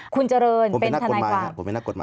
ผมเป็นนักกฎหมาย